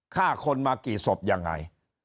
ฆ่าคนมากี่ศพยังไง